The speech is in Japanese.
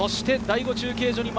第５中継所です。